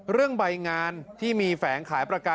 เรื่องใบงานที่มีแฝงขายประกัน